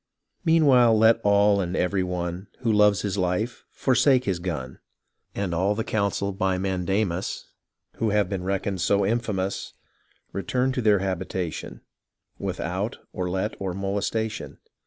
Meanwhile, let all and every one, Who loves his life, forsake his gun ; And all the council, by mandamus, Who have been reckoned so infamous, Return unto their habitation Without or let or molestation.